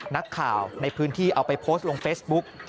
นักข่าวในพื้นที่เอาไปโพสต์ลงเฟซบุ๊ก